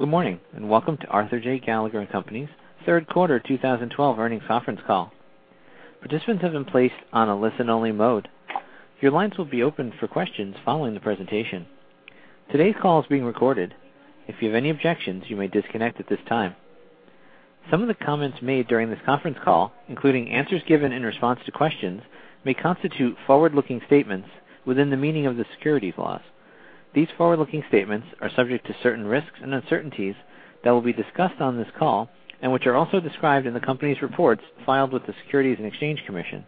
Good morning. Welcome to Arthur J. Gallagher & Company's third quarter 2012 earnings conference call. Participants have been placed on a listen-only mode. Your lines will be opened for questions following the presentation. Today's call is being recorded. If you have any objections, you may disconnect at this time. Some of the comments made during this conference call, including answers given in response to questions, may constitute forward-looking statements within the meaning of the securities laws. These forward-looking statements are subject to certain risks and uncertainties that will be discussed on this call and which are also described in the Company's reports filed with the Securities and Exchange Commission.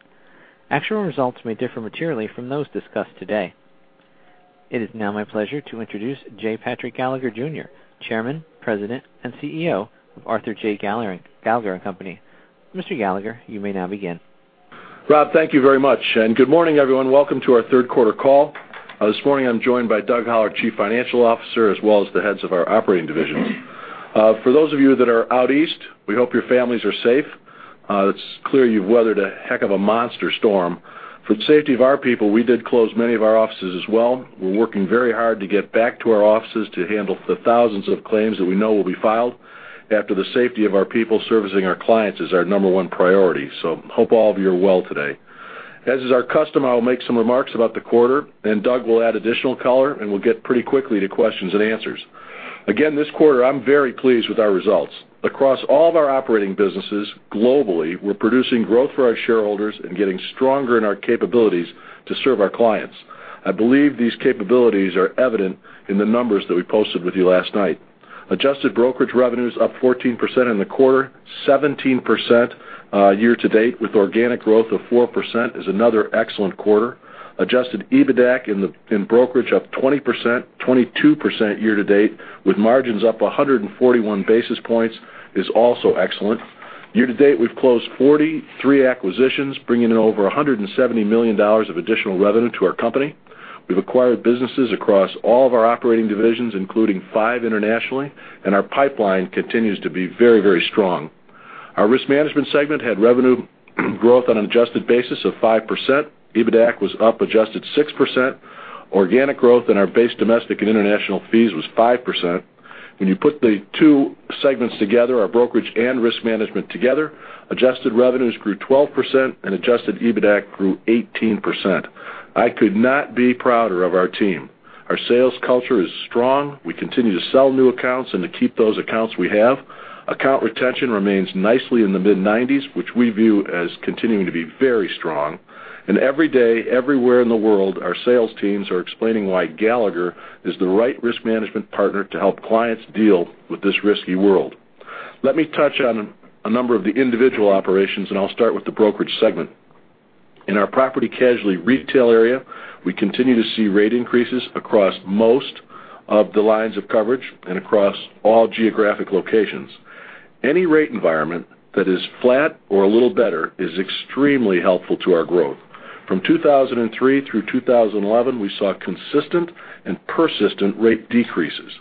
Actual results may differ materially from those discussed today. It is now my pleasure to introduce J. Patrick Gallagher, Jr., Chairman, President, and CEO of Arthur J. Gallagher & Company. Mr. Gallagher, you may now begin. Rob, thank you very much. Good morning, everyone. Welcome to our third quarter call. This morning, I'm joined by Doug Howell, Chief Financial Officer, as well as the heads of our operating divisions. For those of you that are out east, we hope your families are safe. It's clear you've weathered a heck of a monster storm. For the safety of our people, we did close many of our offices as well. We're working very hard to get back to our offices to handle the thousands of claims that we know will be filed after the safety of our people servicing our clients is our number one priority. Hope all of you are well today. As is our custom, I will make some remarks about the quarter. Doug will add additional color, and we'll get pretty quickly to questions and answers. Again, this quarter, I'm very pleased with our results. Across all of our operating businesses globally, we're producing growth for our shareholders and getting stronger in our capabilities to serve our clients. I believe these capabilities are evident in the numbers that we posted with you last night. Adjusted brokerage revenues up 14% in the quarter, 17% year-to-date with organic growth of 4% is another excellent quarter. Adjusted EBITDAC in brokerage up 20%, 22% year-to-date with margins up 141 basis points is also excellent. Year-to-date, we've closed 43 acquisitions, bringing in over $170 million of additional revenue to our company. We've acquired businesses across all of our operating divisions, including five internationally. Our pipeline continues to be very strong. Our risk management segment had revenue growth on an adjusted basis of 5%. EBITDAC was up adjusted 6%. Organic growth in our base domestic and international fees was 5%. When you put the two segments together, our brokerage and risk management together, adjusted revenues grew 12% and adjusted EBITDAC grew 18%. I could not be prouder of our team. Our sales culture is strong. We continue to sell new accounts and to keep those accounts we have. Account retention remains nicely in the mid-90s, which we view as continuing to be very strong. Every day, everywhere in the world, our sales teams are explaining why Gallagher is the right risk management partner to help clients deal with this risky world. Let me touch on a number of the individual operations. I'll start with the brokerage segment. In our property casualty retail area, we continue to see rate increases across most of the lines of coverage and across all geographic locations. Any rate environment that is flat or a little better is extremely helpful to our growth. From 2003 through 2011, we saw consistent and persistent rate decreases.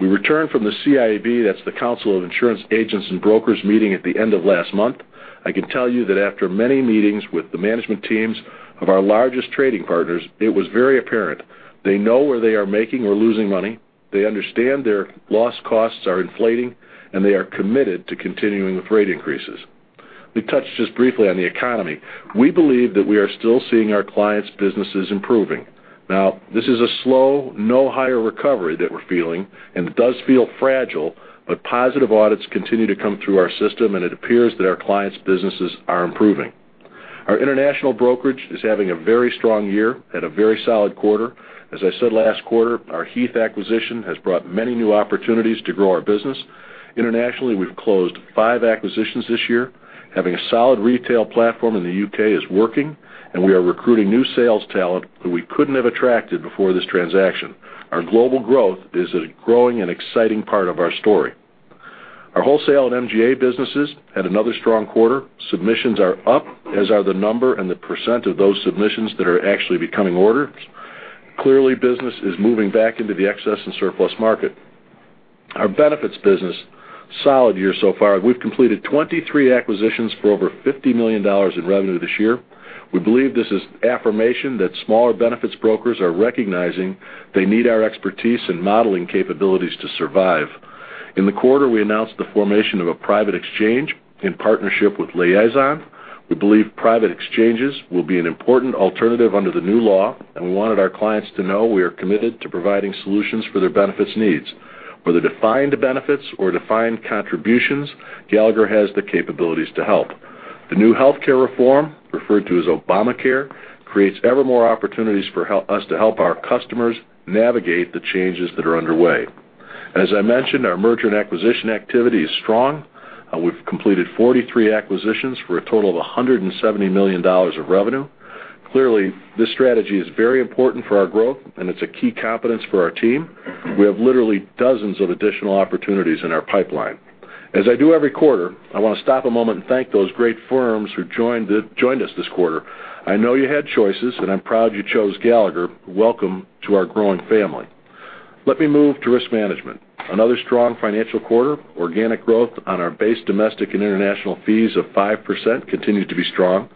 We returned from the CIAB, that's The Council of Insurance Agents & Brokers meeting at the end of last month. I can tell you that after many meetings with the management teams of our largest trading partners, it was very apparent they know where they are making or losing money. They understand their loss costs are inflating, and they are committed to continuing with rate increases. Let me touch just briefly on the economy. We believe that we are still seeing our clients' businesses improving. This is a slow, no higher recovery that we're feeling, and it does feel fragile, but positive audits continue to come through our system, and it appears that our clients' businesses are improving. Our international brokerage is having a very strong year and a very solid quarter. As I said last quarter, our Heath acquisition has brought many new opportunities to grow our business. Internationally, we've closed five acquisitions this year. Having a solid retail platform in the U.K. is working, we are recruiting new sales talent who we couldn't have attracted before this transaction. Our global growth is a growing and exciting part of our story. Our wholesale and MGA businesses had another strong quarter. Submissions are up, as are the number and the % of those submissions that are actually becoming orders. Business is moving back into the excess and surplus market. Our benefits business, solid year so far. We've completed 23 acquisitions for over $50 million in revenue this year. We believe this is affirmation that smaller benefits brokers are recognizing they need our expertise and modeling capabilities to survive. In the quarter, we announced the formation of a private exchange in partnership with Liazon. We believe private exchanges will be an important alternative under the new law, we wanted our clients to know we are committed to providing solutions for their benefits needs. Whether defined benefits or defined contributions, Gallagher has the capabilities to help. The new healthcare reform, referred to as Obamacare, creates ever more opportunities for us to help our customers navigate the changes that are underway. As I mentioned, our merger and acquisition activity is strong. We've completed 43 acquisitions for a total of $170 million of revenue. This strategy is very important for our growth, and it's a key competence for our team. We have literally dozens of additional opportunities in our pipeline. As I do every quarter, I want to stop a moment and thank those great firms who joined us this quarter. I know you had choices, I'm proud you chose Gallagher. Welcome to our growing family. Let me move to risk management. Another strong financial quarter. Organic growth on our base domestic and international fees of 5% continues to be strong.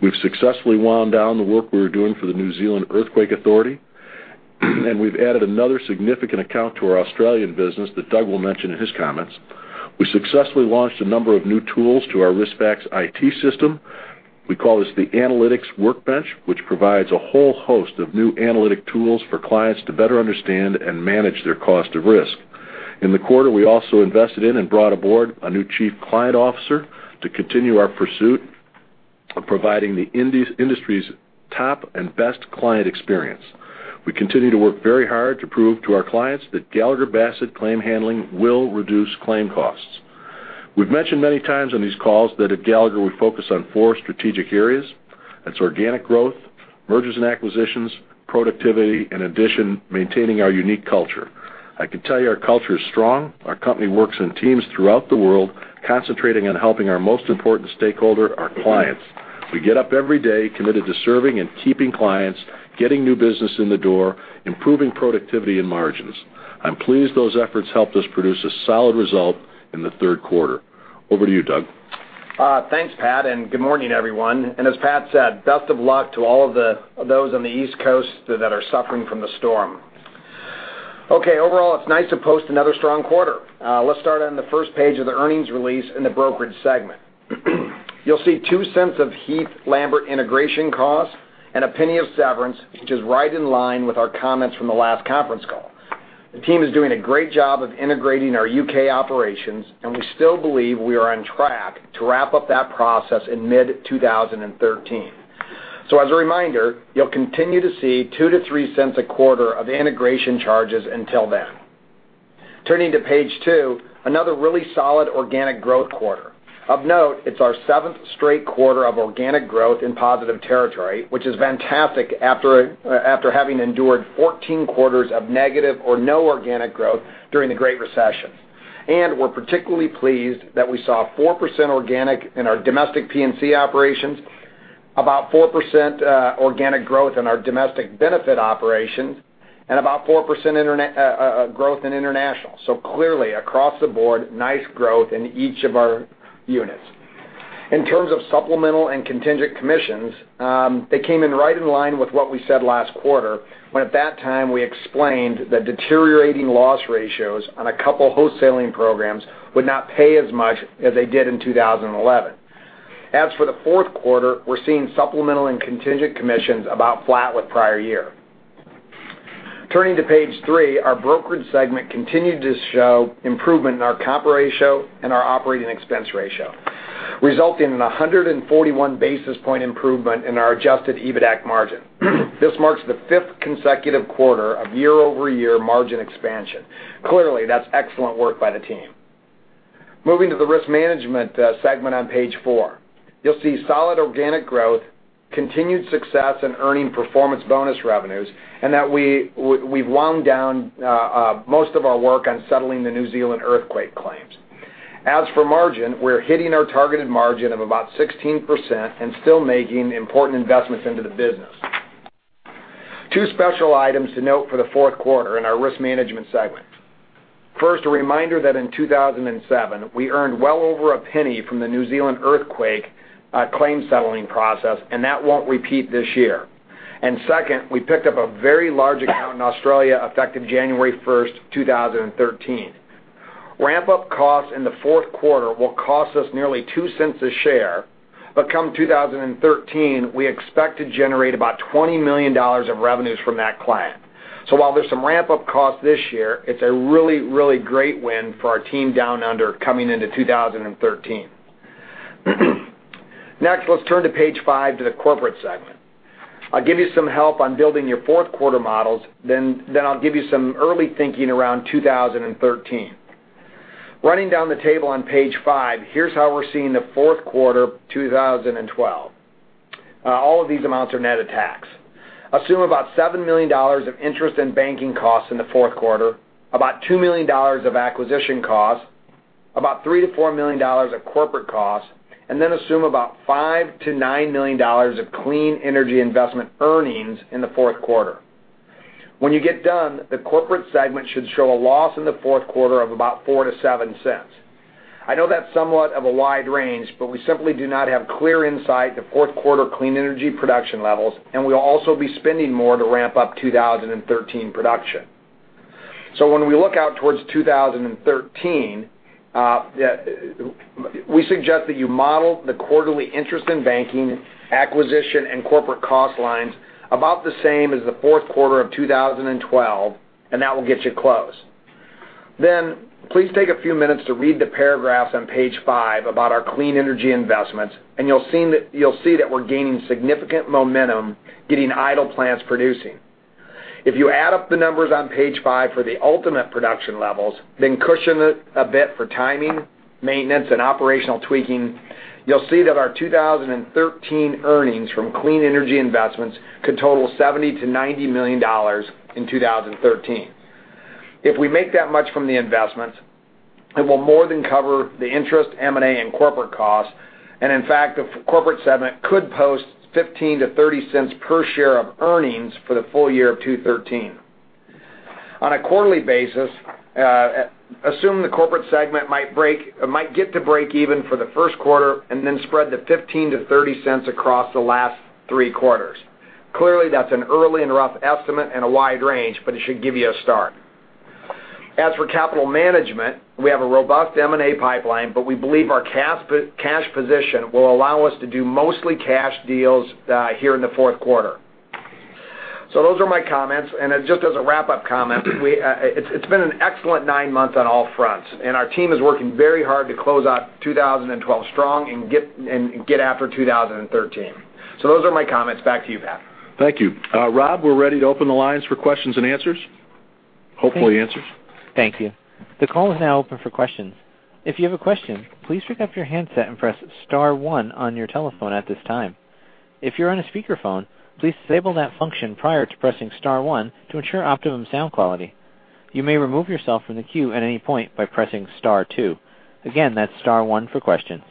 We've successfully wound down the work we were doing for the New Zealand Earthquake Commission, we've added another significant account to our Australian business that Doug will mention in his comments. We successfully launched a number of new tools to our RiskFacts IT system. We call this the Analytics Workbench, which provides a whole host of new analytic tools for clients to better understand and manage their cost of risk. In the quarter, we also invested in and brought aboard a new chief client officer to continue our pursuit of providing the industry's top and best client experience. We continue to work very hard to prove to our clients that Gallagher Bassett claim handling will reduce claim costs. We've mentioned many times on these calls that at Gallagher, we focus on four strategic areas. That's organic growth, mergers and acquisitions, productivity, and addition, maintaining our unique culture. I can tell you our culture is strong. Our company works in teams throughout the world, concentrating on helping our most important stakeholder, our clients. We get up every day committed to serving and keeping clients, getting new business in the door, improving productivity and margins. I'm pleased those efforts helped us produce a solid result in the third quarter. Over to you, Doug. Thanks, Pat, and good morning, everyone. As Pat said, best of luck to all of those on the East Coast that are suffering from the storm. Okay. Overall, it's nice to post another strong quarter. Let's start on the first page of the earnings release in the brokerage segment. You'll see $0.02 of Heath Lambert integration costs and $0.01 of severance, which is right in line with our comments from the last conference call. The team is doing a great job of integrating our U.K. operations, and we still believe we are on track to wrap up that process in mid 2013. As a reminder, you'll continue to see $0.02-$0.03 a quarter of integration charges until then. Turning to page two, another really solid organic growth quarter. Of note, it's our seventh straight quarter of organic growth in positive territory, which is fantastic after having endured 14 quarters of negative or no organic growth during the Great Recession. We're particularly pleased that we saw 4% organic in our domestic P&C operations, about 4% organic growth in our domestic benefit operations, and about 4% growth in international. Clearly, across the board, nice growth in each of our units. In terms of supplemental and contingent commissions, they came in right in line with what we said last quarter, when at that time we explained that deteriorating loss ratios on a couple wholesaling programs would not pay as much as they did in 2011. As for the fourth quarter, we're seeing supplemental and contingent commissions about flat with prior year. Turning to page three, our brokerage segment continued to show improvement in our comp ratio and our operating expense ratio, resulting in 141 basis point improvement in our adjusted EBITDAC margin. This marks the fifth consecutive quarter of year-over-year margin expansion. Clearly, that's excellent work by the team. Moving to the risk management segment on page four. You'll see solid organic growth, continued success in earning performance bonus revenues, and that we've wound down most of our work on settling the New Zealand earthquake claims. As for margin, we're hitting our targeted margin of about 16% and still making important investments into the business. Two special items to note for the fourth quarter in our risk management segment. First, a reminder that in 2007, we earned well over $0.01 from the New Zealand earthquake claim settling process, and that won't repeat this year. Second, we picked up a very large account in Australia effective January 1st, 2013. Ramp-up costs in the fourth quarter will cost us nearly $0.02 a share, come 2013, we expect to generate about $20 million of revenues from that client. While there's some ramp-up costs this year, it's a really great win for our team down under coming into 2013. Let's turn to page five, to the corporate segment. I'll give you some help on building your fourth quarter models, I'll give you some early thinking around 2013. Running down the table on page five, here's how we're seeing the fourth quarter 2012. All of these amounts are net of tax. Assume about $7 million of interest in banking costs in the fourth quarter, about $2 million of acquisition costs, about $3 million-$4 million of corporate costs, assume about $5 million-$9 million of clean energy investment earnings in the fourth quarter. When you get done, the corporate segment should show a loss in the fourth quarter of about $0.04-$0.07. I know that's somewhat of a wide range, we simply do not have clear insight to fourth quarter clean energy production levels, we'll also be spending more to ramp up 2013 production. When we look out towards 2013, we suggest that you model the quarterly interest in banking, acquisition, and corporate cost lines about the same as the fourth quarter of 2012, that will get you close. Please take a few minutes to read the paragraphs on page five about our clean energy investments, you'll see that we're gaining significant momentum getting idle plants producing. If you add up the numbers on page five for the ultimate production levels, cushion it a bit for timing, maintenance, and operational tweaking, you'll see that our 2013 earnings from clean energy investments could total $70 million-$90 million in 2013. If we make that much from the investments, it will more than cover the interest, M&A, and corporate costs, in fact, the corporate segment could post $0.15-$0.30 per share of earnings for the full year of 2013. On a quarterly basis, assume the corporate segment might get to break even for the first quarter spread the $0.15-$0.30 across the last three quarters. Clearly, that's an early and rough estimate and a wide range, it should give you a start. As for capital management, we have a robust M&A pipeline, we believe our cash position will allow us to do mostly cash deals here in the fourth quarter. Those are my comments. Just as a wrap up comment, it's been an excellent nine months on all fronts, our team is working very hard to close out 2012 strong and get after 2013. Those are my comments. Back to you, Pat. Thank you. Rob, we're ready to open the lines for questions and answers. Hopefully answers. Thank you. The call is now open for questions. If you have a question, please pick up your handset and press star one on your telephone at this time. If you're on a speakerphone, please disable that function prior to pressing star one to ensure optimum sound quality. You may remove yourself from the queue at any point by pressing star two. Again, that's star one for questions.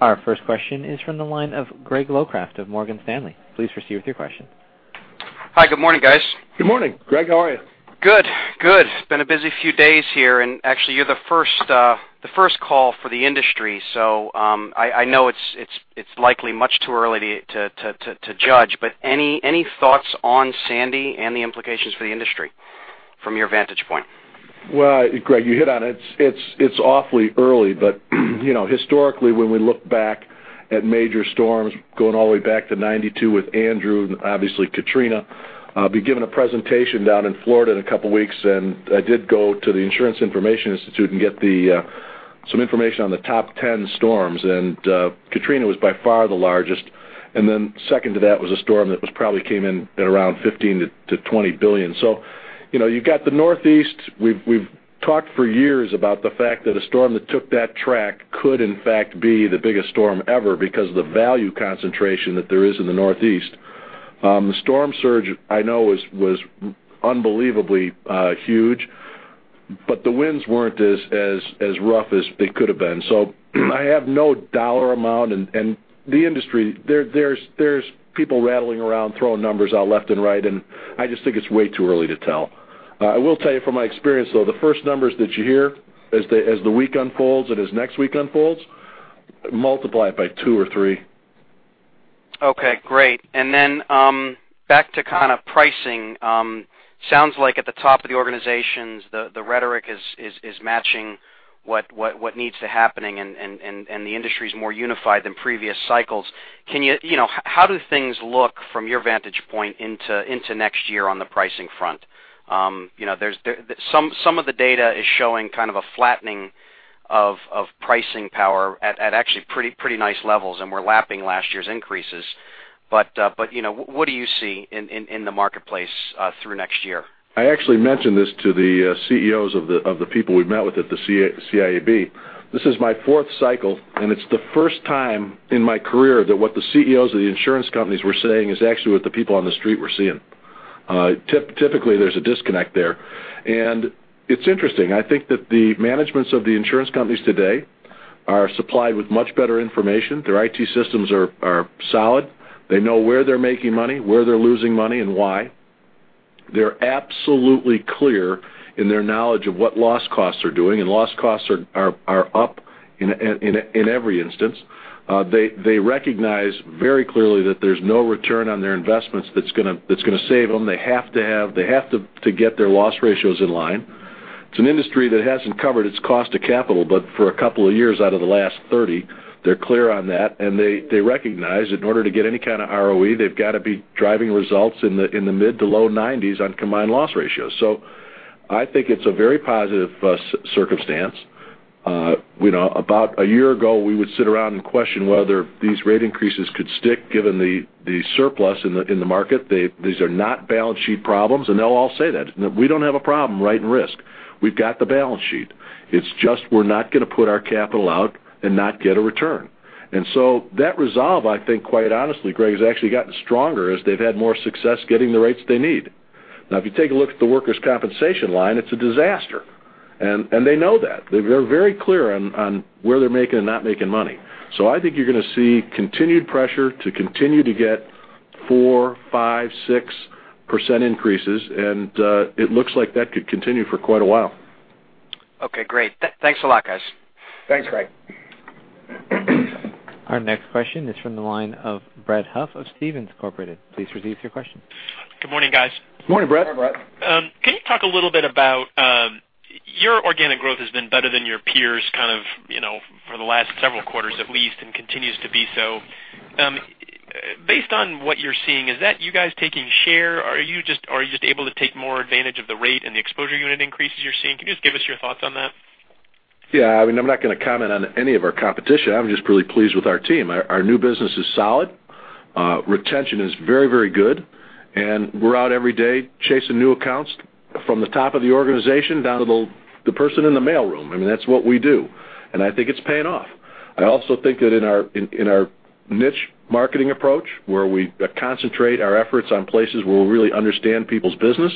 Our first question is from the line of Greg Locraft of Morgan Stanley. Please proceed with your question. Hi. Good morning, guys. Good morning, Greg. How are you? Good. Actually you're the first call for the industry, I know it's likely much too early to judge, any thoughts on Sandy and the implications for the industry from your vantage point? Well, Greg, you hit on it. It's awfully early, Historically, when we look back at major storms, going all the way back to 1992 with Andrew and obviously Katrina. I'll be giving a presentation down in Florida in a couple of weeks, I did go to the Insurance Information Institute and get some information on the top 10 storms. Katrina was by far the largest. Second to that was a storm that probably came in at around $15 billion-$20 billion. You've got the Northeast. We've talked for years about the fact that a storm that took that track could, in fact, be the biggest storm ever because of the value concentration that there is in the Northeast. The storm surge I know was unbelievably huge, the winds weren't as rough as they could have been. I have no dollar amount, the industry, there's people rattling around throwing numbers out left and right, I just think it's way too early to tell. I will tell you from my experience, though, the first numbers that you hear as the week unfolds and as next week unfolds, multiply it by two or three. Okay, great. Back to kind of pricing. Sounds like at the top of the organizations, the rhetoric is matching what needs to happening, the industry is more unified than previous cycles. How do things look from your vantage point into next year on the pricing front? Some of the data is showing kind of a flattening of pricing power at actually pretty nice levels, We're lapping last year's increases. What do you see in the marketplace through next year? I actually mentioned this to the CEOs of the people we've met with at the CIAB. This is my fourth cycle, and it's the first time in my career that what the CEOs of the insurance companies were saying is actually what the people on the street were seeing. Typically, there's a disconnect there. It's interesting. I think that the managements of the insurance companies today are supplied with much better information. Their IT systems are solid. They know where they're making money, where they're losing money, and why. They're absolutely clear in their knowledge of what loss costs are doing, and loss costs are up in every instance. They recognize very clearly that there's no return on their investments that's going to save them. They have to get their loss ratios in line. It's an industry that hasn't covered its cost of capital, but for a couple of years out of the last 30, they're clear on that, and they recognize that in order to get any kind of ROE, they've got to be driving results in the mid to low 90s on combined loss ratios. I think it's a very positive circumstance. About a year ago, we would sit around and question whether these rate increases could stick given the surplus in the market. These are not balance sheet problems, and they'll all say that. We don't have a problem writing risk. We've got the balance sheet. It's just we're not going to put our capital out and not get a return. That resolve, I think, quite honestly, Greg, has actually gotten stronger as they've had more success getting the rates they need. Now, if you take a look at the workers' compensation line, it's a disaster. They know that. They're very clear on where they're making and not making money. I think you're going to see continued pressure to continue to get 4%, 5%, 6% increases, and it looks like that could continue for quite a while. Okay, great. Thanks a lot, guys. Thanks, Greg. Our next question is from the line of Brett Huff of Stephens Inc.. Please proceed with your question. Good morning, guys. Good morning, Brett. Hi, Brett. Can you talk a little bit about your organic growth has been better than your peers kind of for the last several quarters, at least, and continues to be so. Based on what you're seeing, is that you guys taking share? Are you just able to take more advantage of the rate and the exposure unit increases you're seeing? Can you just give us your thoughts on that? Yeah. I mean, I'm not going to comment on any of our competition. I'm just really pleased with our team. Our new business is solid. Retention is very, very good. We're out every day chasing new accounts from the top of the organization down to the person in the mail room. I mean, that's what we do. I think it's paying off. I also think that in our niche marketing approach, where we concentrate our efforts on places where we really understand people's business,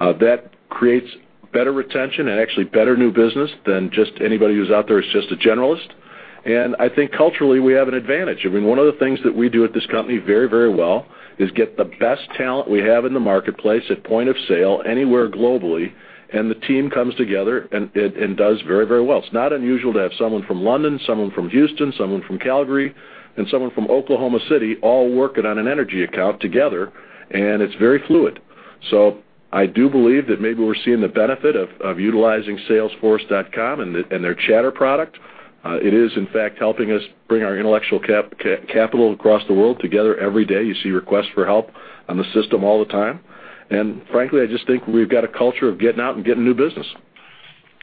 that creates better retention and actually better new business than just anybody who's out there as just a generalist. I think culturally, we have an advantage. One of the things that we do at this company very well is get the best talent we have in the marketplace at point of sale anywhere globally, and the team comes together and does very well. It's not unusual to have someone from London, someone from Houston, someone from Calgary, and someone from Oklahoma City all working on an energy account together. It's very fluid. I do believe that maybe we're seeing the benefit of utilizing Salesforce and their Chatter product. It is, in fact, helping us bring our intellectual capital across the world together every day. You see requests for help on the system all the time. Frankly, I just think we've got a culture of getting out and getting new business.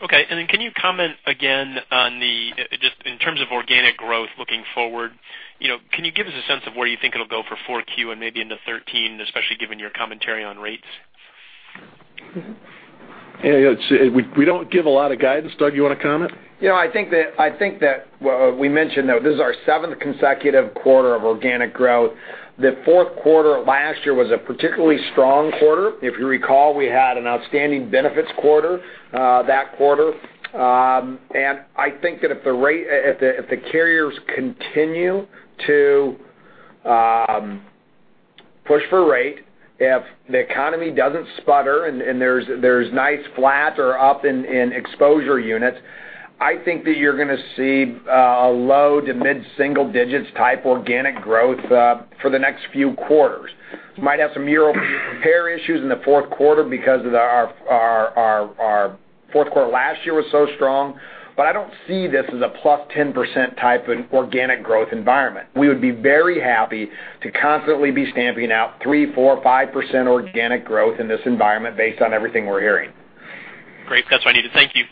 Okay. Can you comment again on the, just in terms of organic growth looking forward, can you give us a sense of where you think it'll go for 4Q and maybe into 2013, especially given your commentary on rates? Yeah, we don't give a lot of guidance. Doug, you want to comment? I think that we mentioned that this is our seventh consecutive quarter of organic growth. The fourth quarter of last year was a particularly strong quarter. If you recall, we had an outstanding benefits quarter that quarter. I think that if the carriers continue to push for rate, if the economy doesn't sputter, and there's nice flat or up in exposure units, I think that you're going to see a low to mid-single digits type organic growth for the next few quarters. You might have some year-over-year compare issues in the fourth quarter because our fourth quarter last year was so strong. I don't see this as a +10% type of organic growth environment. We would be very happy to constantly be stamping out 3%, 4%, 5% organic growth in this environment based on everything we're hearing. Great. That's what I needed. Thank you.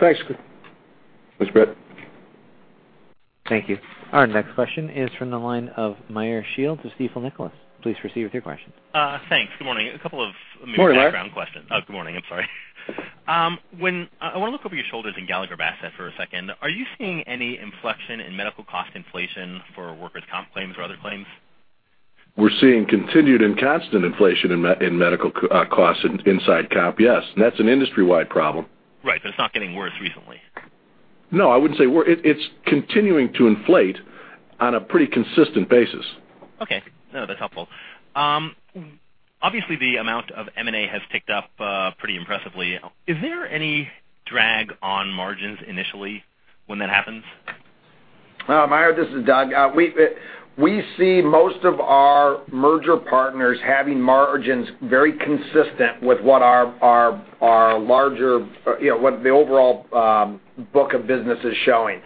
Thanks. Thanks, Brad. Thank you. Our next question is from the line of Meyer Shields of Stifel Nicolaus. Please proceed with your question. Thanks. Good morning. A couple of maybe- Morning, Meyer. background questions. Oh, good morning. I'm sorry. I want to look over your shoulders in Gallagher Bassett for a second. Are you seeing any inflection in medical cost inflation for workers' comp claims or other claims? We're seeing continued and constant inflation in medical costs inside comp, yes. That's an industry-wide problem. Right. It's not getting worse recently. No, I wouldn't say it's continuing to inflate on a pretty consistent basis. Okay. No, that's helpful. Obviously, the amount of M&A has ticked up pretty impressively. Is there any drag on margins initially when that happens? Meyer, this is Doug. We see most of our merger partners having margins very consistent with what the overall book of business is showing.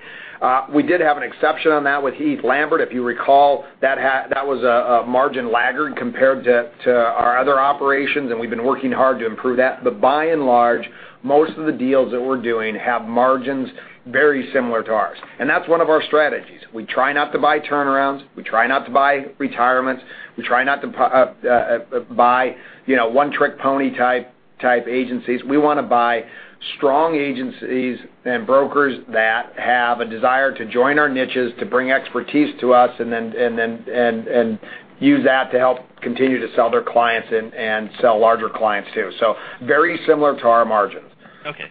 We did have an exception on that with Heath Lambert. If you recall, that was a margin laggard compared to our other operations, and we've been working hard to improve that. By and large, most of the deals that we're doing have margins very similar to ours. That's one of our strategies. We try not to buy turnarounds. We try not to buy retirements. We try not to buy one-trick pony type agencies. We want to buy strong agencies and brokers that have a desire to join our niches, to bring expertise to us, and use that to help continue to sell their clients and sell larger clients too. Very similar to our margins. Okay.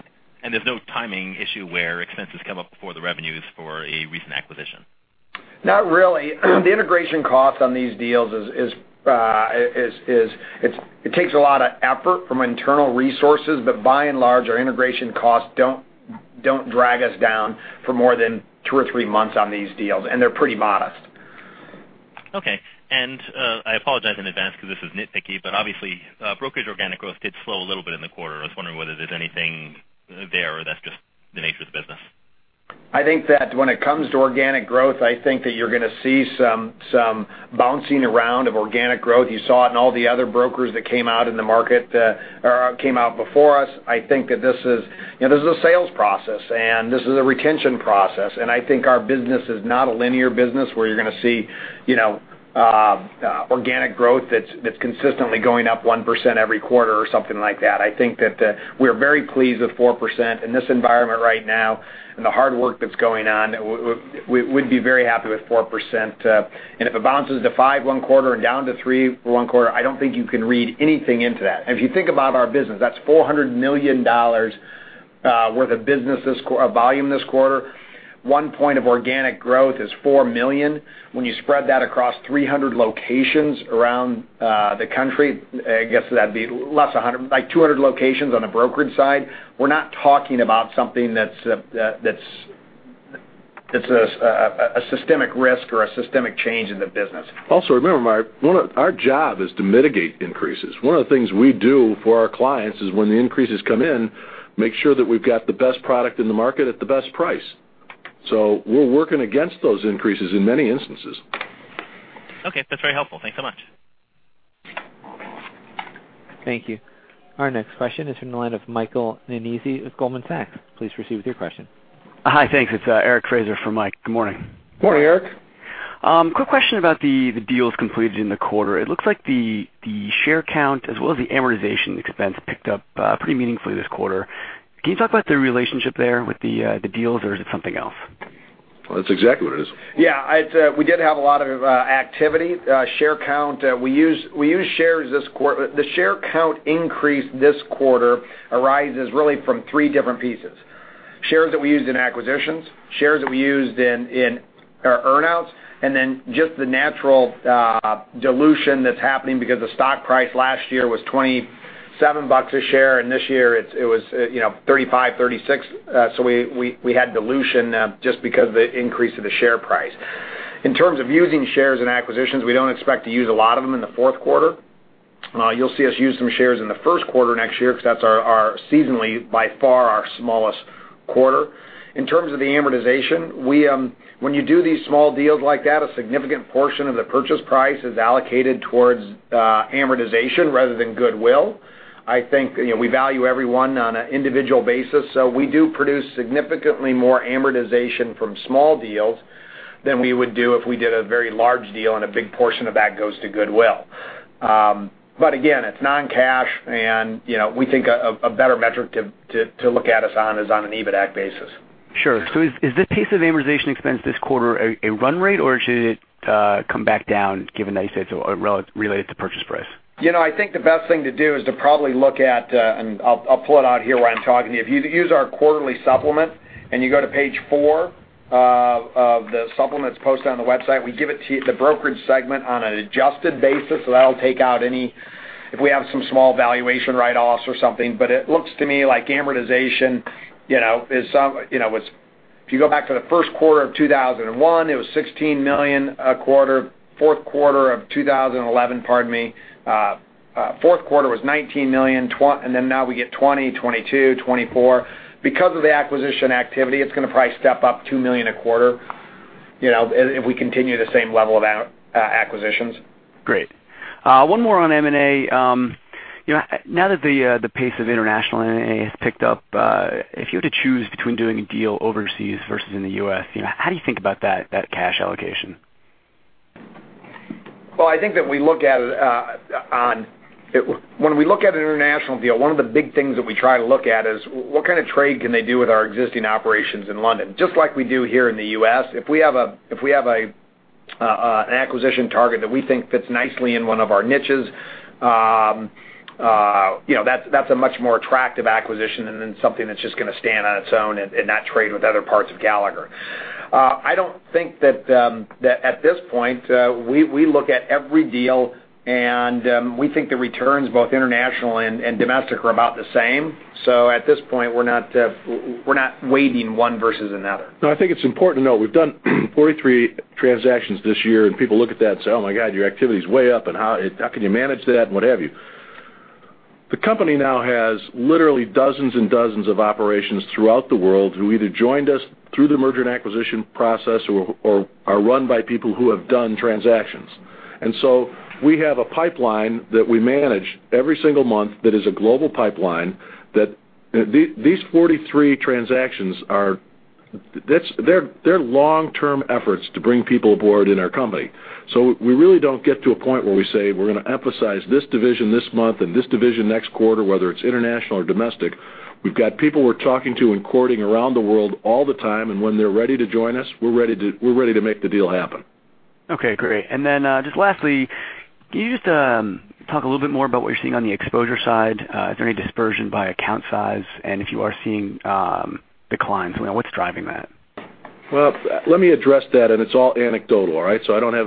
There's no timing issue where expenses come up before the revenues for a recent acquisition? Not really. The integration cost on these deals is, it takes a lot of effort from internal resources, but by and large, our integration costs don't drag us down for more than two or three months on these deals, and they're pretty modest. I apologize in advance because this is nitpicky. Obviously, brokerage organic growth did slow a little bit in the quarter. I was wondering whether there's anything there or that's just the nature of the business. When it comes to organic growth, you're going to see some bouncing around of organic growth. You saw it in all the other brokers that came out in the market or came out before us. I think that this is a sales process, and this is a retention process. I think our business is not a linear business where you're going to see organic growth that's consistently going up 1% every quarter or something like that. I think that we're very pleased with 4% in this environment right now and the hard work that's going on. We'd be very happy with 4%. If it bounces to 5% one quarter and down to 3% for one quarter, I don't think you can read anything into that. If you think about our business, that's $400 million worth of volume this quarter. One point of organic growth is $4 million. When you spread that across 300 locations around the country, I guess that'd be like 200 locations on the brokerage side. We're not talking about something that's a systemic risk or a systemic change in the business. Remember, Meyer, our job is to mitigate increases. One of the things we do for our clients is when the increases come in, make sure that we've got the best product in the market at the best price. We're working against those increases in many instances. Okay. That's very helpful. Thanks so much. Thank you. Our next question is from the line of Michael Nannizzi with Goldman Sachs. Please proceed with your question. Hi, thanks. It's Eric Fraser for Mike. Good morning. Morning, Eric. Quick question about the deals completed in the quarter. It looks like the share count as well as the amortization expense picked up pretty meaningfully this quarter. Can you talk about the relationship there with the deals, or is it something else? Well, that's exactly what it is. Yeah, we did have a lot of activity. Share count, we use shares this quarter. The share count increase this quarter arises really from three different pieces. Shares that we used in acquisitions, shares that we used in our earn-outs, and then just the natural dilution that's happening because the stock price last year was $27 a share, and this year it was $35, $36. We had dilution just because of the increase of the share price. In terms of using shares and acquisitions, we don't expect to use a lot of them in the fourth quarter. You'll see us use some shares in the first quarter next year because that's seasonally, by far, our smallest quarter. In terms of the amortization, when you do these small deals like that, a significant portion of the purchase price is allocated towards amortization rather than goodwill. I think we value everyone on an individual basis. We do produce significantly more amortization from small deals than we would do if we did a very large deal, and a big portion of that goes to goodwill. Again, it's non-cash, and we think a better metric to look at us on is on an EBITDAC basis. Sure. Is this pace of amortization expense this quarter a run rate, or should it come back down given that you said related to purchase price? I think the best thing to do is to probably look at, and I'll pull it out here while I'm talking to you. If you use our quarterly supplement and you go to page four of the supplements posted on the website, we give it to you, the brokerage segment, on an adjusted basis. That'll take out any, if we have some small valuation write-offs or something. It looks to me like amortization, if you go back to the first quarter of 2001, it was $16 million a quarter. Fourth quarter of 2011, pardon me. Fourth quarter was $19 million, now we get $20, $22, $24. Because of the acquisition activity, it's going to probably step up $2 million a quarter, if we continue the same level of acquisitions. Great. One more on M&A. Now that the pace of international M&A has picked up, if you were to choose between doing a deal overseas versus in the U.S., how do you think about that cash allocation? When we look at an international deal, one of the big things that we try to look at is what kind of trade can they do with our existing operations in London, just like we do here in the U.S. If we have an acquisition target that we think fits nicely in one of our niches, that's a much more attractive acquisition than something that's just going to stand on its own and not trade with other parts of Gallagher. I don't think that at this point, we look at every deal, and we think the returns, both international and domestic, are about the same. At this point, we're not weighting one versus another. No, I think it's important to note we've done 43 transactions this year, and people look at that and say, "Oh my God, your activity is way up, and how can you manage that?" What have you. The company now has literally dozens and dozens of operations throughout the world who either joined us through the merger and acquisition process or are run by people who have done transactions. We have a pipeline that we manage every single month that is a global pipeline. These 43 transactions, they're long-term efforts to bring people aboard in our company. We really don't get to a point where we say we're going to emphasize this division this month and this division next quarter, whether it's international or domestic. We've got people we're talking to and courting around the world all the time, and when they're ready to join us, we're ready to make the deal happen. Okay, great. Just lastly, can you just talk a little bit more about what you're seeing on the exposure side? Is there any dispersion by account size? If you are seeing declines, what's driving that? Well, let me address that, and it's all anecdotal, all right?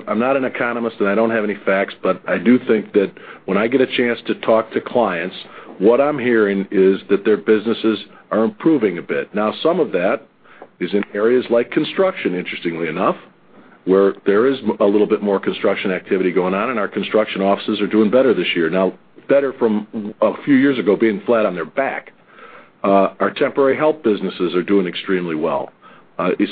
I'm not an economist, and I don't have any facts. I do think that when I get a chance to talk to clients, what I'm hearing is that their businesses are improving a bit. Now, some of that is in areas like construction, interestingly enough, where there is a little bit more construction activity going on, and our construction offices are doing better this year. Now, better from a few years ago, being flat on their back. Our temporary health businesses are doing extremely well.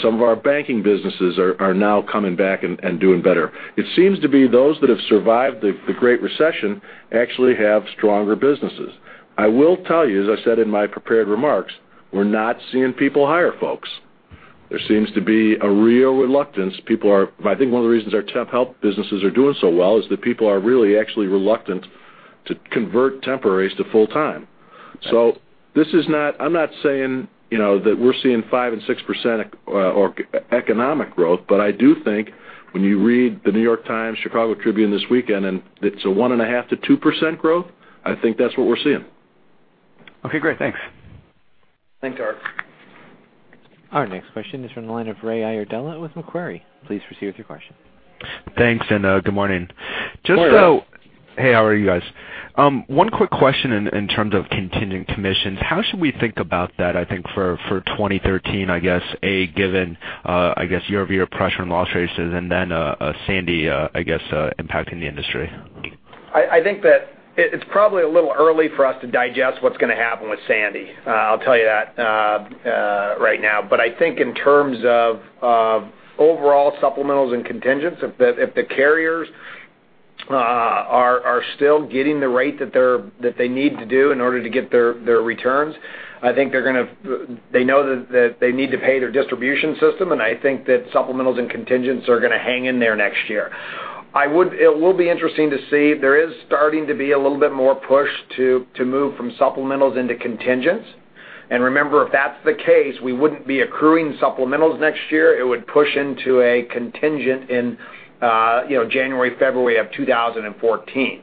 Some of our banking businesses are now coming back and doing better. It seems to be those that have survived the Great Recession actually have stronger businesses. I will tell you, as I said in my prepared remarks, we're not seeing people hire folks. There seems to be a real reluctance. I think one of the reasons our temp health businesses are doing so well is that people are really actually reluctant to convert temporaries to full time. I'm not saying that we're seeing 5% and 6% economic growth, but I do think when you read The New York Times, Chicago Tribune this weekend, and it's a 1.5%-2% growth, I think that's what we're seeing. Okay, great. Thanks. Thanks, Eric. Our next question is from the line of Ray Iardella with Macquarie. Please proceed with your question. Thanks, good morning. Good morning. Hey, how are you guys? One quick question in terms of contingent commissions. How should we think about that, I think, for 2013, I guess, A, given, I guess, year-over-year pressure and loss ratios, Sandy, I guess, impacting the industry? I think that it's probably a little early for us to digest what's going to happen with Sandy. I'll tell you that right now. I think in terms of overall supplementals and contingents, if the carriers are still getting the rate that they need to do in order to get their returns, I think they know that they need to pay their distribution system, I think that supplementals and contingents are going to hang in there next year. It will be interesting to see. There is starting to be a little bit more push to move from supplementals into contingents. Remember, if that's the case, we wouldn't be accruing supplementals next year. It would push into a contingent in January, February of 2014.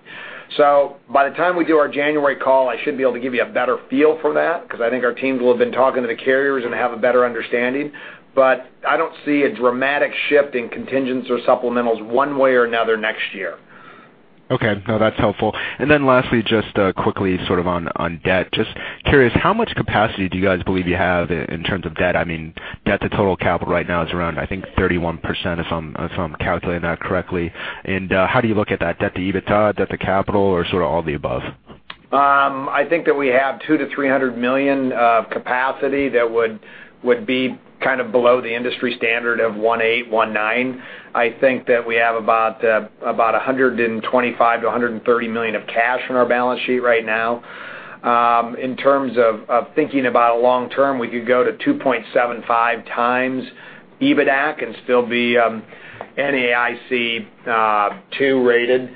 By the time we do our January call, I should be able to give you a better feel for that, because I think our teams will have been talking to the carriers and have a better understanding. I don't see a dramatic shift in contingents or supplementals one way or another next year. Okay. No, that's helpful. Lastly, just quickly sort of on debt. Just curious, how much capacity do you guys believe you have in terms of debt? I mean, debt to total capital right now is around, I think, 31%, if I'm calculating that correctly. How do you look at that, debt to EBITDA, debt to capital, or sort of all the above? I think that we have $200 million-$300 million of capacity that would be kind of below the industry standard of 1.8, 1.9. I think that we have about $125 million-$130 million of cash on our balance sheet right now. In terms of thinking about long term, we could go to 2.75x EBITDAC and still be NAIC 2 rated.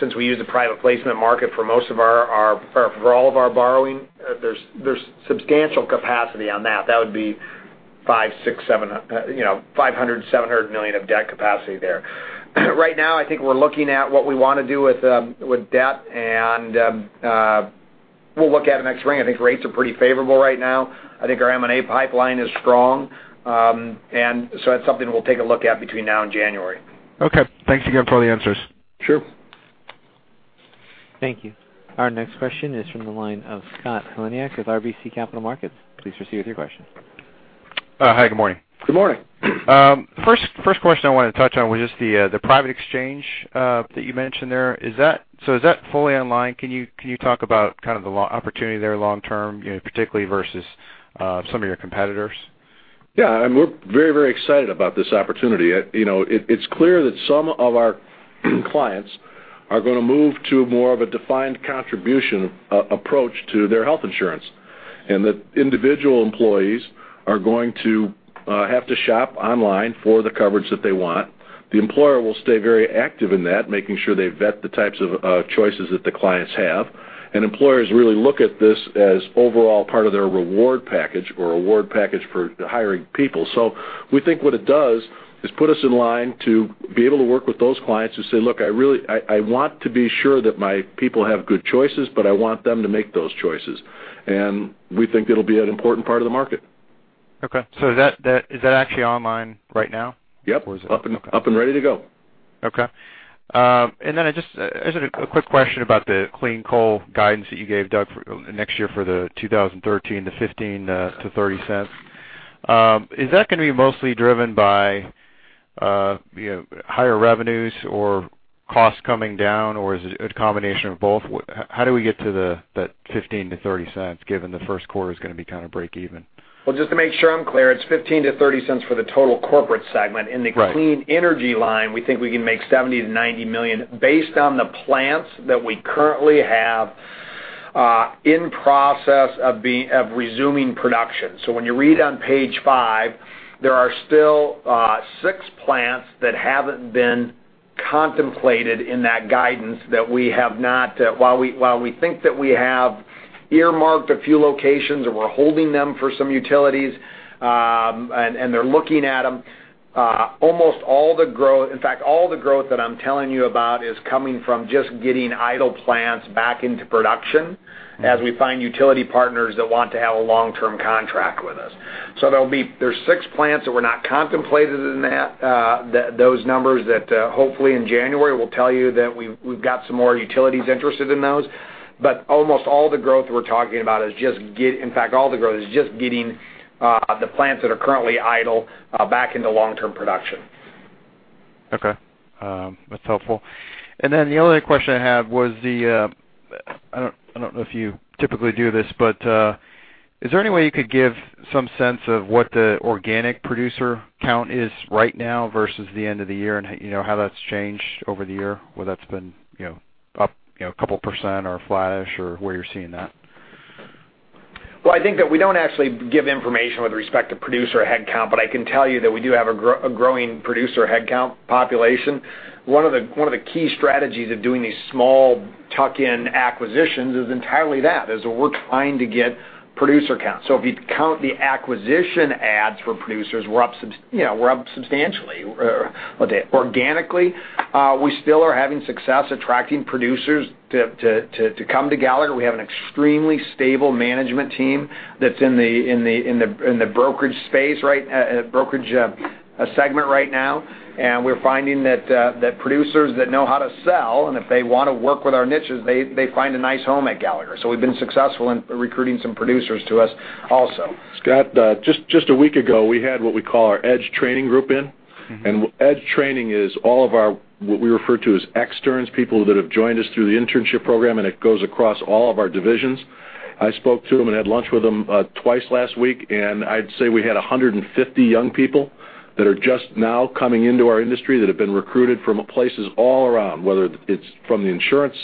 Since we use the private placement market for most of our, or for all of our borrowing, there's substantial capacity on that. That would be $500 million, $600 million, $700 million of debt capacity there. Right now, I think we're looking at what we want to do with debt, and we'll look at it next spring. I think rates are pretty favorable right now. I think our M&A pipeline is strong. So that's something we'll take a look at between now and January. Okay. Thanks again for all the answers. Sure. Thank you. Our next question is from the line of Scott Seltz with RBC Capital Markets. Please proceed with your question. Hi, good morning. Good morning. First question I wanted to touch on was just the private exchange that you mentioned there. Is that fully online? Can you talk about kind of the opportunity there long term, particularly versus some of your competitors? Yeah, we're very excited about this opportunity. It's clear that some of our clients are going to move to more of a defined contribution approach to their health insurance, and that individual employees are going to have to shop online for the coverage that they want. The employer will stay very active in that, making sure they vet the types of choices that the clients have. Employers really look at this as overall part of their reward package or award package for hiring people. We think what it does is put us in line to be able to work with those clients who say, "Look, I want to be sure that my people have good choices, but I want them to make those choices." We think it'll be an important part of the market. Okay. Is that actually online right now? Yep. Is it Up and ready to go. Just a quick question about the clean coal guidance that you gave, Doug, next year for the 2013 to $0.15-$0.30. Is that going to be mostly driven by higher revenues or costs coming down, or is it a combination of both? How do we get to the $0.15-$0.30, given the first quarter is going to be kind of break-even? Just to make sure I'm clear, it's $0.15-$0.30 for the total corporate segment. Right. In the clean energy line, we think we can make $70 million-$90 million based on the plants that we currently have in process of resuming production. When you read on page five, there are still six plants that haven't been contemplated in that guidance. While we think that we have earmarked a few locations, and we're holding them for some utilities, and they're looking at them. All the growth that I'm telling you about is coming from just getting idle plants back into production as we find utility partners that want to have a long-term contract with us. There's six plants that were not contemplated in those numbers that hopefully in January, we'll tell you that we've got some more utilities interested in those. Almost all the growth we're talking about, all the growth, is just getting the plants that are currently idle back into long-term production. That's helpful. The only other question I have was the, I don't know if you typically do this, but is there any way you could give some sense of what the organic producer count is right now versus the end of the year and how that's changed over the year, whether that's been up a couple % or flattish or where you're seeing that? Well, I think that we don't actually give information with respect to producer headcount, but I can tell you that we do have a growing producer headcount population. One of the key strategies of doing these small tuck-in acquisitions is entirely that, is we're trying to get producer count. If you count the acquisition adds for producers, we're up substantially. Organically, we still are having success attracting producers to come to Gallagher. We have an extremely stable management team that's in the brokerage space, brokerage segment right now. We're finding that producers that know how to sell, and if they want to work with our niches, they find a nice home at Gallagher. We've been successful in recruiting some producers to us also. Scott, just a week ago, we had what we call our Edge training group in. Edge training is all of our, what we refer to as externs, people that have joined us through the internship program, and it goes across all of our divisions. I spoke to them and had lunch with them twice last week, and I'd say we had 150 young people that are just now coming into our industry that have been recruited from places all around, whether it's from the insurance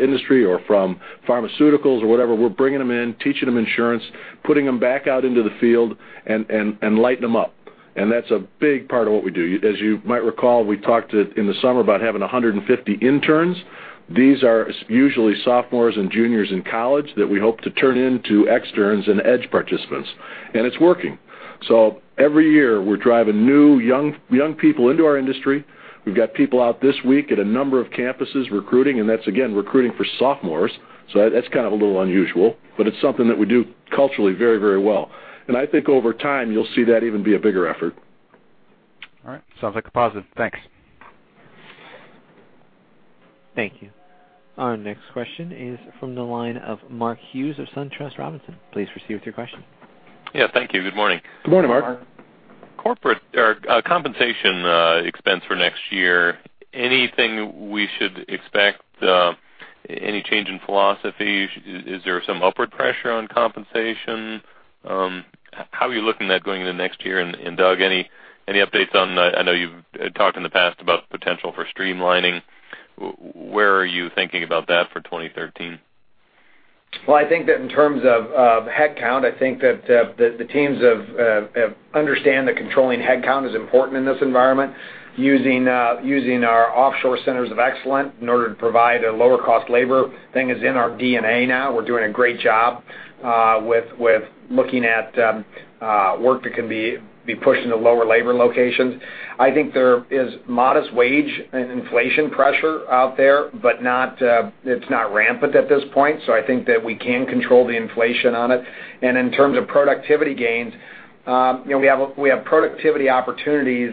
industry or from pharmaceuticals or whatever. We're bringing them in, teaching them insurance, putting them back out into the field and lighting them up. That's a big part of what we do. As you might recall, we talked in the summer about having 150 interns. These are usually sophomores and juniors in college that we hope to turn into externs and Edge participants, and it's working. Every year, we're driving new, young people into our industry. We've got people out this week at a number of campuses recruiting, and that's again, recruiting for sophomores. That's kind of a little unusual, but it's something that we do culturally very well. I think over time, you'll see that even be a bigger effort. All right. Sounds like a positive. Thanks. Thank you. Our next question is from the line of Mark Hughes of SunTrust Robinson. Please proceed with your question. Yeah, thank you. Good morning. Good morning, Mark. Corporate or compensation, expense for next year, anything we should expect, any change in philosophy? Is there some upward pressure on compensation? How are you looking at going into next year? Doug, any updates on the-- I know you've talked in the past about the potential for streamlining. Where are you thinking about that for 2013? I think that in terms of headcount, I think that the teams understand that controlling headcount is important in this environment. Using our offshore centers of excellence in order to provide a lower cost labor thing is in our DNA now. We're doing a great job with looking at work that can be pushed into lower labor locations. I think there is modest wage and inflation pressure out there, but it's not rampant at this point, so I think that we can control the inflation on it. In terms of productivity gains, we have productivity opportunities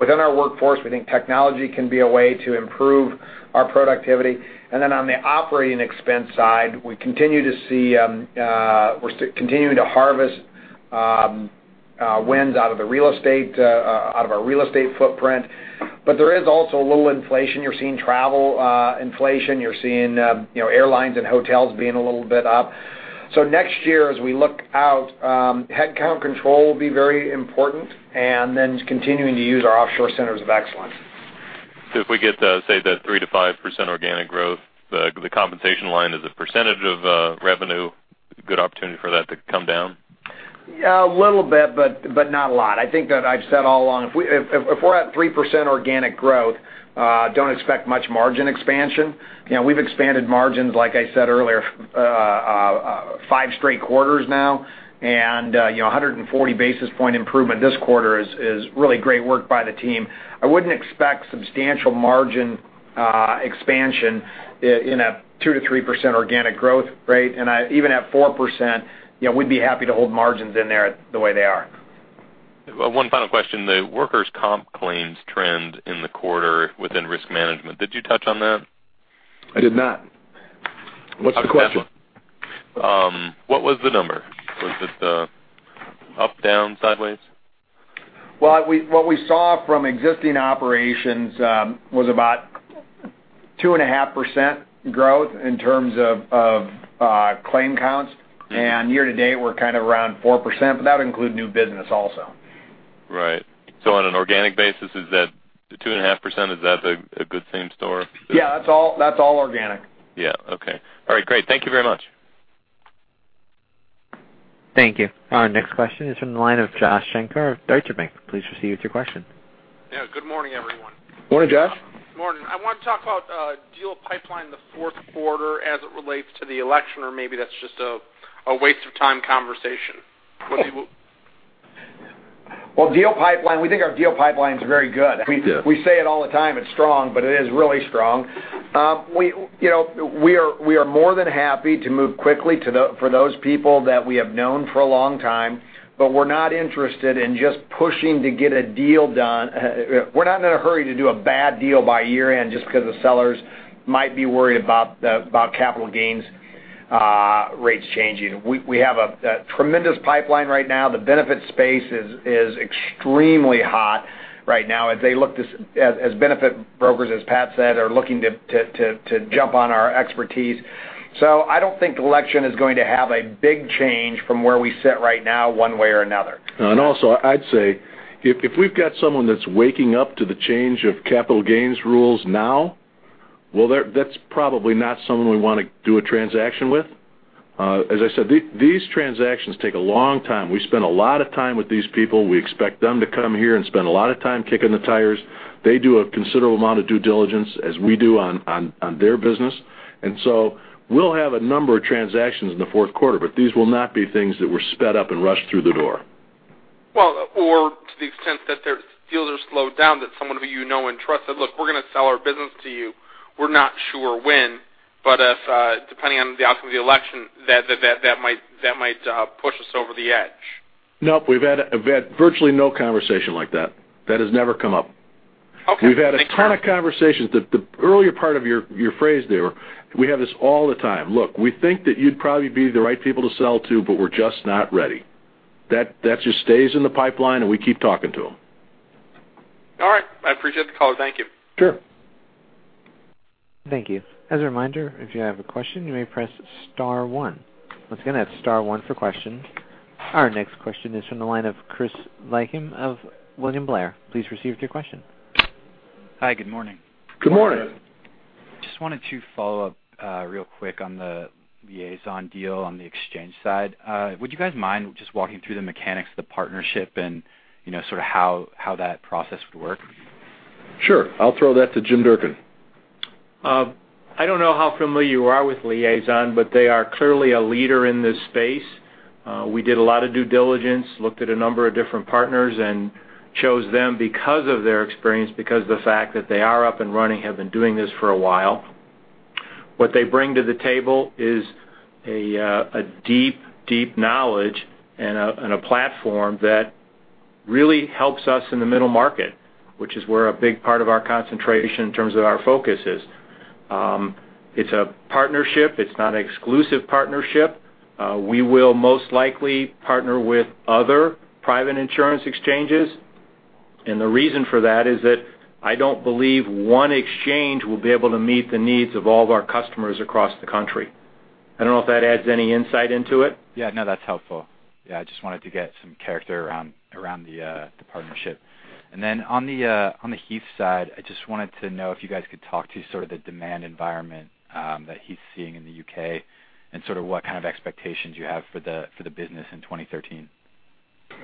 within our workforce, we think technology can be a way to improve our productivity. Then on the operating expense side, we're continuing to harvest wins out of our real estate footprint. There is also a little inflation. You're seeing travel inflation. You're seeing airlines and hotels being a little bit up. Next year, as we look out, headcount control will be very important and then continuing to use our offshore centers of excellence. If we get, say, the 3% to 5% organic growth, the compensation line as a percentage of revenue, good opportunity for that to come down? Yeah, a little bit, but not a lot. I think that I've said all along, if we're at 3% organic growth, don't expect much margin expansion. We've expanded margins, like I said earlier, five straight quarters now. 140 basis point improvement this quarter is really great work by the team. I wouldn't expect substantial margin expansion in a 2%-3% organic growth rate. Even at 4%, we'd be happy to hold margins in there the way they are. One final question. The workers' comp claims trend in the quarter within risk management. Did you touch on that? I did not. What's the question? What was the number? Was it up, down, sideways? Well, what we saw from existing operations was about 2.5% growth in terms of claim counts. Year to date, we're kind of around 4%, that would include new business also. Right. On an organic basis, is that the 2.5%, is that a good same store? Yeah, that's all organic. Yeah. Okay. All right, great. Thank you very much. Thank you. Our next question is from the line of Joshua Shanker of Deutsche Bank. Please proceed with your question. Yeah, good morning, everyone. Morning, Josh. Morning. I want to talk about deal pipeline the fourth quarter as it relates to the election, or maybe that's just a waste of time conversation. Well, deal pipeline, we think our deal pipeline's very good. Yeah. We say it all the time, it's strong. It is really strong. We are more than happy to move quickly for those people that we have known for a long time. We're not interested in just pushing to get a deal done. We're not in a hurry to do a bad deal by year-end just because the sellers might be worried about capital gains rates changing. We have a tremendous pipeline right now. The benefit space is extremely hot right now as benefit brokers, as Pat said, are looking to jump on our expertise. I don't think the election is going to have a big change from where we sit right now, one way or another. Also, I'd say, if we've got someone that's waking up to the change of capital gains rules now, well, that's probably not someone we want to do a transaction with. As I said, these transactions take a long time. We spend a lot of time with these people. We expect them to come here and spend a lot of time kicking the tires. They do a considerable amount of due diligence as we do on their business. We'll have a number of transactions in the fourth quarter, but these will not be things that were sped up and rushed through the door. Well, to the extent that deals are slowed down, that someone who you know and trust said, "Look, we're going to sell our business to you. We're not sure when, depending on the outcome of the election, that might push us over the edge. Nope. We've had virtually no conversation like that. That has never come up. Okay. We've had a ton of conversations. The earlier part of your phrase there, we have this all the time. "Look, we think that you'd probably be the right people to sell to, but we're just not ready." That just stays in the pipeline, we keep talking to them. All right. I appreciate the call. Thank you. Sure. Thank you. As a reminder, if you have a question, you may press star one. Once again, that's star one for questions. Our next question is from the line of Adam Klauber of William Blair. Please proceed with your question. Hi, good morning. Good morning. Just wanted to follow up real quick on the Liazon deal on the exchange side. Would you guys mind just walking through the mechanics of the partnership and sort of how that process would work? Sure. I'll throw that to Jim Durkin. I don't know how familiar you are with Liazon, but they are clearly a leader in this space. We did a lot of due diligence, looked at a number of different partners and chose them because of their experience, because the fact that they are up and running, have been doing this for a while. What they bring to the table is a deep knowledge and a platform that really helps us in the middle market, which is where a big part of our concentration in terms of our focus is. It's a partnership. It's not an exclusive partnership. We will most likely partner with other private insurance exchanges, and the reason for that is that I don't believe one exchange will be able to meet the needs of all of our customers across the country. I don't know if that adds any insight into it. No, that's helpful. I just wanted to get some character around the partnership. On the Heath side, I just wanted to know if you guys could talk to sort of the demand environment that Heath's seeing in the U.K. and sort of what kind of expectations you have for the business in 2013.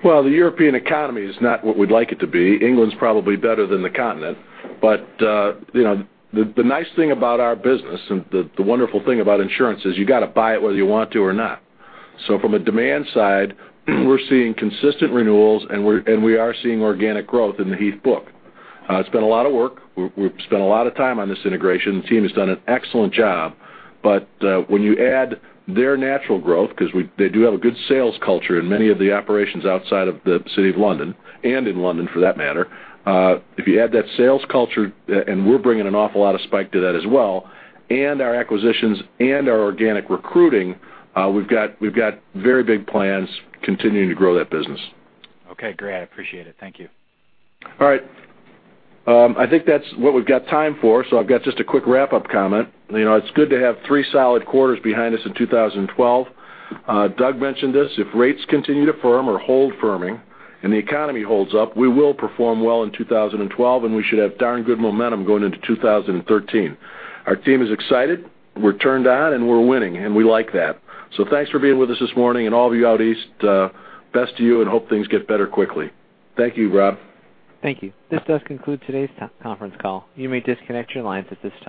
The European economy is not what we'd like it to be. England's probably better than the Continent. The nice thing about our business and the wonderful thing about insurance is you got to buy it whether you want to or not. From a demand side, we're seeing consistent renewals, and we are seeing organic growth in the Heath book. It's been a lot of work. We've spent a lot of time on this integration. The team has done an excellent job. When you add their natural growth, because they do have a good sales culture in many of the operations outside of the City of London, and in London for that matter, if you add that sales culture, and we're bringing an awful lot of spike to that as well, and our acquisitions and our organic recruiting, we've got very big plans continuing to grow that business. Okay, great. I appreciate it. Thank you. All right. I think that's what we've got time for, so I've got just a quick wrap-up comment. It's good to have three solid quarters behind us in 2012. Doug mentioned this, if rates continue to firm or hold firming and the economy holds up, we will perform well in 2012, and we should have darn good momentum going into 2013. Our team is excited, we're turned on, and we're winning, and we like that. Thanks for being with us this morning. All of you out east best to you and hope things get better quickly. Thank you, Rob. Thank you. This does conclude today's conference call. You may disconnect your lines at this time.